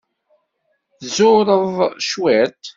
Tzureḍ cwiṭ.